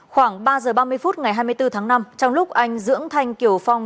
khoảng ba h ba mươi phút ngày hai mươi bốn tháng năm trong lúc anh dưỡng thanh kiều phong